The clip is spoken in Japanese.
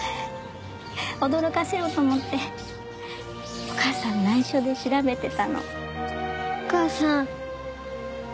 驚かせようと思ってお母さん内緒で調べてたの。